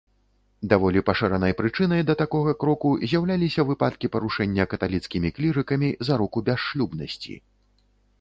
Даволі пашыранай прычынай да такога кроку з'яўляліся выпадкі парушэння каталіцкімі клірыкамі зароку бясшлюбнасці.